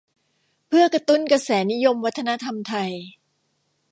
เพื่อกระตุ้นกระแสนิยมวัฒนธรรมไทย